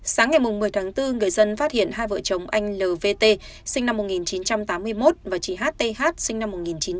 sáng ngày một mươi tháng bốn người dân phát hiện hai vợ chồng anh lv t sinh năm một nghìn chín trăm tám mươi một và chị hth sinh năm một nghìn chín trăm tám mươi